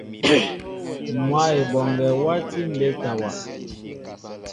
Mwă Eboŋgue wati mbétawa.